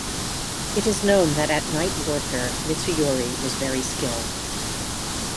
It is known that at night warfare, Mitsuyori was very skilled.